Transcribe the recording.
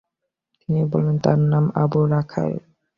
তিনি বললেন, তার নাম আবু রাগাল।